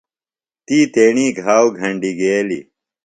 تی تیݨی گھاؤ گھنڈیۡ گیلیۡ۔